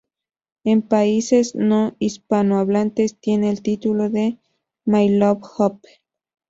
En países no hispanohablantes, tiene el título de "My Lovely Hope".